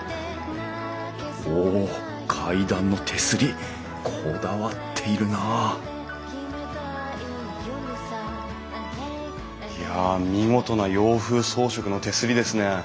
おっ階段の手すりこだわっているないや見事な洋風装飾の手すりですね。